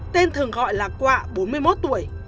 tên thường gọi là quạ bốn mươi một tuổi